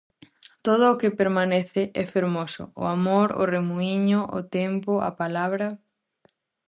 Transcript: Todo o que permanece é fermoso: o amor, o remuíño, o tempo, a palabra.